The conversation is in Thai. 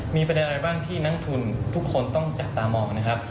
มีประเด็นอะไรบ้างที่นักทุนทุกคนต้องจับตามองนะครับ